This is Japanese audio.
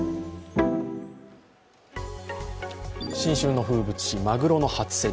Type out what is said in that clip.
新春の風物詩、まぐろの初競り